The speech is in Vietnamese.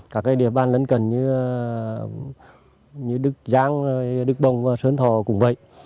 các địa bàn lấn cần như đức giang đức bồng sơn thò cũng vậy